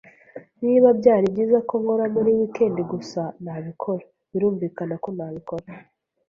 Niba byari byiza ko nkora muri wikendi gusa, nabikora? Birumvikana ko nabikora.